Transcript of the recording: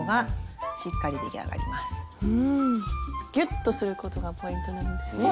ギュッとすることがポイントなんですね。